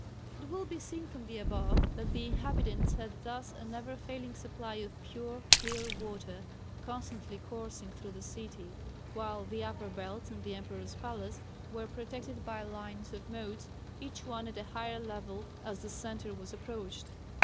It will be seen from the above that the inhabitants had thus a never failing supply of pure clear water constantly coursing through the city, while the upper belts and the emperor's palace were protected by lines of moats, each one at a higher level as the centre was approached.